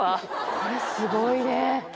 これすごいね。